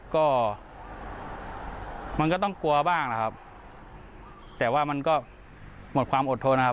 ก็มันก็ต้องกลัวบ้างนะครับแต่ว่ามันก็หมดความอดทนนะครับ